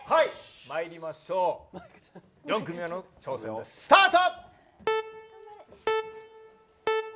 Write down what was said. まいりましょう４組目の挑戦、スタート。